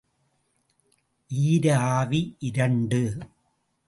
ஈர ஆவி, இரண்டு.